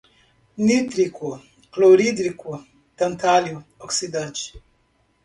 nítrico, clorídrico, tantálio, oxidante